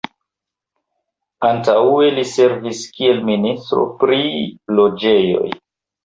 Antaŭe li servis kiel Ministro pri Loĝejoj.